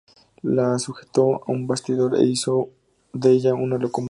La sujetó a un bastidor e hizo de ella una locomotora.